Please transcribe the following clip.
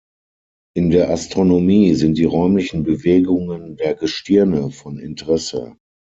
In der Astronomie sind die räumlichen Bewegungen der Gestirne von Interesse.